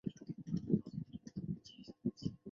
三角招潮为沙蟹科招潮蟹属的动物。